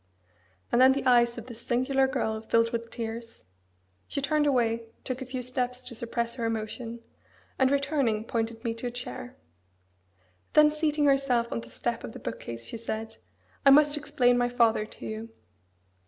And then the eyes of this singular girl filled with tears. She turned away, took a few steps to suppress her emotion, and returning, pointed me to a chair. Then seating herself on the step of the book case, she said, "I must explain my father to you."